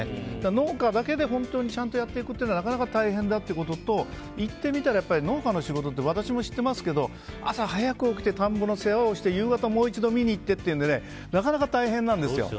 農家だけでちゃんとやってくのはなかなか大変ってことと行ってみたら農家の仕事は私も知っていますけど朝早く起きて田んぼの世話をして夕方、もう一度見に行ってっていうのはなかなか大変なんですよ。